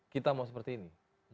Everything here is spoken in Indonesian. kita mau seperti ini